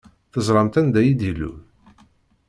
Teẓṛamt anda i d-ilul?